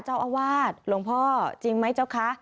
เจ้าอาวาสหลวงพ่อจริงไหมเจ้าคะ